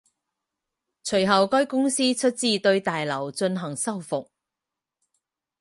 随后该公司出资对大楼进行修复。